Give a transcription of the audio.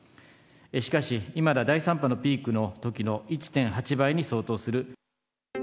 しかし、いまだ第３波のピークのときの１．８倍に相当する。